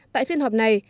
tại phiên họp này